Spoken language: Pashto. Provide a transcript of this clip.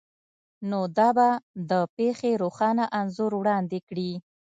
نو دا به د پیښې روښانه انځور وړاندې کړي